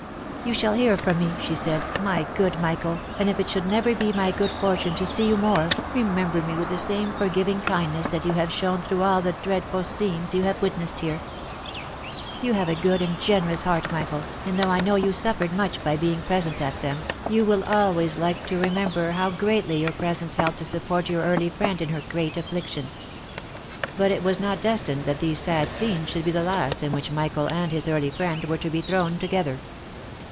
" You shall hear from me," she said, " my good Michael, and if it should never be my good fortune to see you more, remember me with the same forgiving kindness that you have shown through all the dreadful scenes you have witnessed here. You have a good and ge nerous heart, Michael, and though I know you suffered much by being V OF MICHAEL ARMSTRONG. 371 present at them, you will always like to remember how greatly your presence helped to support your early friend in her great affliction." But it was not destined that these sad scenes should be the last in which Michael and his early friend were to be thrown together.